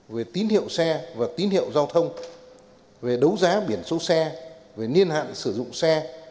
về tín hiệu xe và tín hiệu giao thông về đấu giá biển số xe về niên hạn sử dụng xe